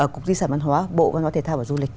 cục di sản văn hóa bộ văn hóa thể thao và du lịch